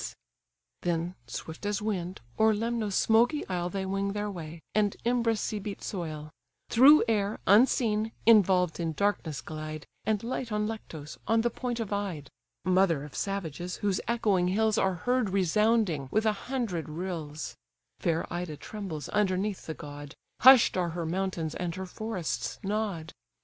SLEEP ESCAPING FROM THE WRATH OF JUPITER Then swift as wind, o'er Lemnos' smoky isle They wing their way, and Imbrus' sea beat soil; Through air, unseen, involved in darkness glide, And light on Lectos, on the point of Ide: (Mother of savages, whose echoing hills Are heard resounding with a hundred rills:) Fair Ida trembles underneath the god; Hush'd are her mountains, and her forests nod.